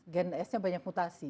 gen s nya banyak mutasi